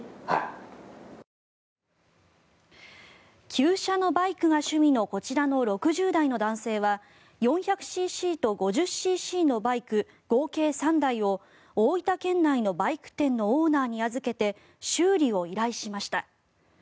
旧車のバイクが趣味のこちらの６０代の男性は４０ｃｃと５０ｃｃのバイク合計３台を大分県内のバイク店のオーナーに預けて修理を依頼しました。